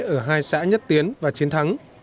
ở hai xã nhất tiến và chiến thắng